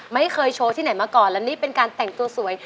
ไม่เคยโชว์ที่ไหนมาก่อนและนี่เป็นการแต่งตัวสวย